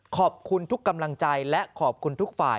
ขอบคุณทุกกำลังใจและขอบคุณทุกฝ่าย